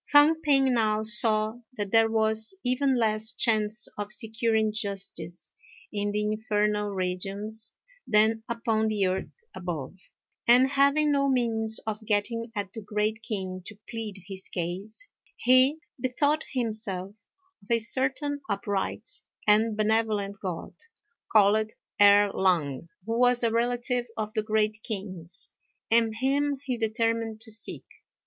Fang p'ing now saw that there was even less chance of securing justice in the Infernal Regions than upon the earth above; and, having no means of getting at the Great King to plead his case, he bethought himself of a certain upright and benevolent God, called Erh Lang, who was a relative of the Great King's, and him he determined to seek.